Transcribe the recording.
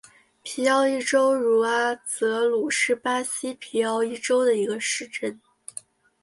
皮奥伊州茹阿泽鲁是巴西皮奥伊州的一个市镇。